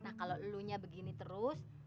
nah kalo lo nyalahin begini terus